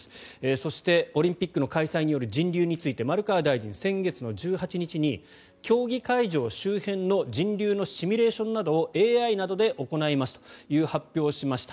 そして、オリンピックの開催による人流について丸川大臣は先月１８日に競技会場周辺の人流のシミュレーションなどをＡＩなどで行いますという発表をしました。